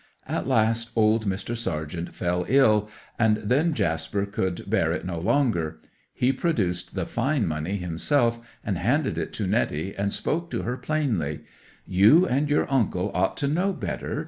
At last old Mr. Sargent fell ill, and then Jasper could bear it no longer: he produced the fine money himself, and handed it to Netty, and spoke to her plainly. '"You and your uncle ought to know better.